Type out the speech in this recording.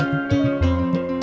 aduh aduh aduh